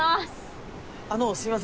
あのうすいません。